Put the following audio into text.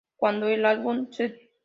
Cuando el álbum "St.